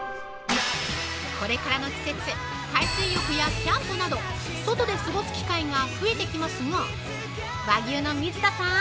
これからの季節海水浴やキャンプなど、外で過ごす機会が増えてきますが和牛の水田さん